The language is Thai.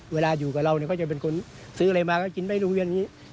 เวลาอยู่กับเราเนี่ยเขาจะเป็นคนซื้ออะไรมาก็กินไปโรงเรียนอย่างนี้